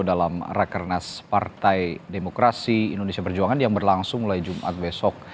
dalam rakernas partai demokrasi indonesia perjuangan yang berlangsung mulai jumat besok